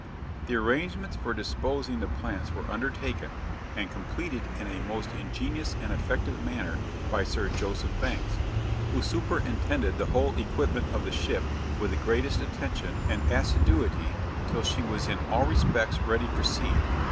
The arrangements for disposing the plants were undertaken, and completed in a most ingenious and effective manner, by Sir Joseph Banks, who superintended the whole equipment of the ship with the greatest attention and assiduity till she was in all respects ready for sea.